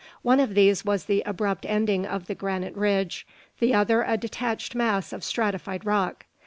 One of these was the abrupt ending of the granite ridge, the other a detached mass of stratified rock.